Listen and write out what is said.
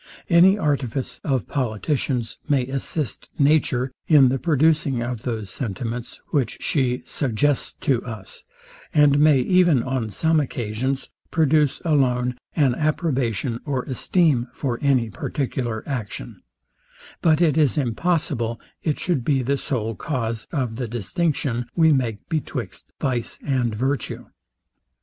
Any artifice of politicians may assist nature in the producing of those sentiments, which she suggests to us, and may even on some occasions, produce alone an approbation or esteem for any particular action; but it is impossible it should be the sole cause of the distinction we make betwixt vice and virtue.